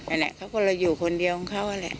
อันนี้เค้าคนละอยู่คนเดียวของเค้าเลย